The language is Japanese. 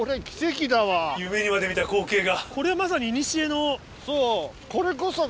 夢にまで見た光景が。